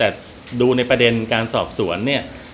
แต่ดูในประเด็นการสอบสวนเนี่ย